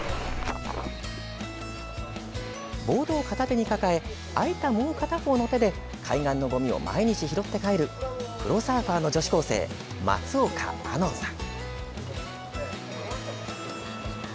ボードを片手に抱え空いたもう片方の手で海岸のごみを毎日拾って帰るプロサーファーの女子高生松岡亜音さん。